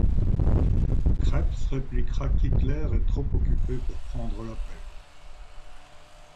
Krebs répliquera qu’Hitler est trop occupé pour prendre l’appel.